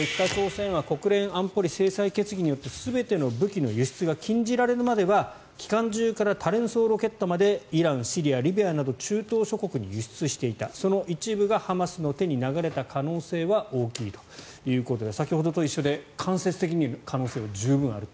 北朝鮮は国連安保理制裁決議により全ての武器の輸出が禁止されるまでは機関銃から多連装ロケットまでイラン、シリア、リビアなど中東諸国に輸出していたその一部がハマスの手に流れた可能性は大きいということです。